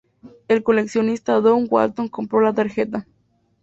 El coleccionista Doug Walton compró la tarjeta.